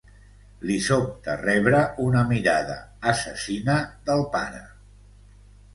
Li sobta rebre una mirada assassina del pare.